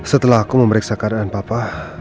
setelah aku memeriksa keadaan papa